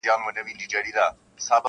• پۀ ماسومتوب كې بۀ چي خپلې مور هغه وهله..